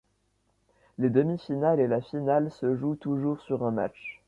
Les demi-finales et la finale se jouent toujours sur un match.